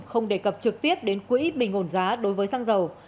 không đề cập trực tiếp đến quỹ bình ổn giá đối với xăng dầu